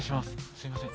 すみません。